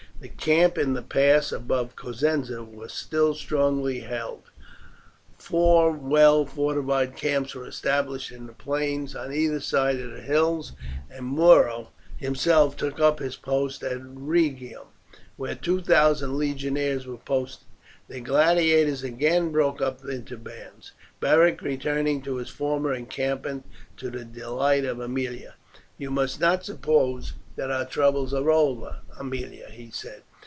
The camp in the pass above Cosenza was still strongly held, four well fortified camps were established in the plains on either side of the hills, and Muro himself took up his post at Rhegium, where two thousand legionaries were posted. The gladiators again broke up into bands, Beric returning to his former encampment, to the delight of Aemilia. "You must not suppose that our troubles are over, Aemilia," he said.